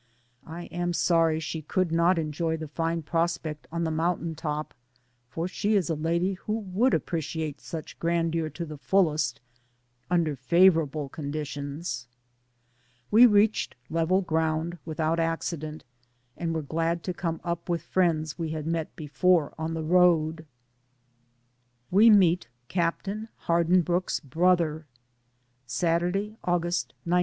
I am sorry she could not enjoy the fine prospect on the mountain top, for she is a lady who would appreciate such grandeur to the fullest under favorable circumstances. We reached level ground without acci dent, and were glad to come up with friends we had met before on the road. WE MEET CAPTAIN HARDINBROOKE's BROTHER. Saturday, August 19.